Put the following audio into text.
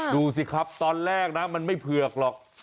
ดูสิครับตอนแรกนะมันไม่เผือกหรอก